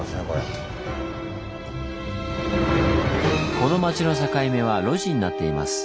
この町の境目は路地になっています。